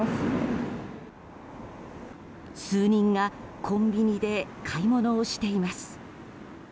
数人がコンビニで買い物をしています。